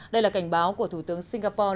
đây là cảnh báo của thủ tướng singapore